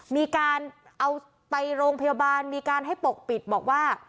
มีการเอาไปโรงพยาบาลมีการให้ปกปิดบอกว่า